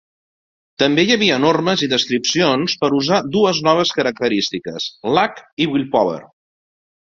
També hi havia normes i descripcions per usar dues noves característiques: Luck i Willpower.